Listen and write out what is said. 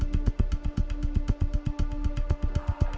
dia mencuri itu karena disuruh pc